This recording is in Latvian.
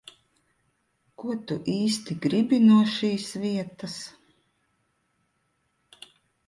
Ko tu īsti gribi no šīs vietas?